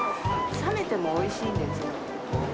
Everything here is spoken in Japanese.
冷めてもおいしいんですよね。